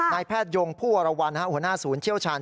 นายแพทยงผู้อรวรรณอุหานาศูนย์เชี่ยวชาญ